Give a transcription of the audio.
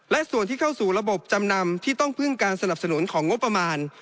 และส่วนที่เข้าสู่ระบบจำนำที่ต้องพึ่งการสนับสนุนของงบประมาณ